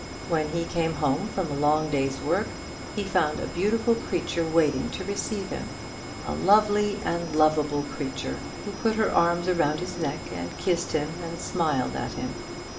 When he came home from a long day's work, he found a beautiful creature waiting to receive him a lovely and lovable creature, who put her arms around his neck and kissed him, and smiled at him.